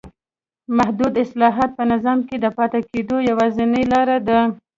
محدود اصلاحات په نظام کې د پاتې کېدو یوازینۍ لار ده.